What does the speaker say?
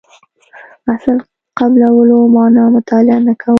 اصل قبلولو معنا مطالعه نه کوو.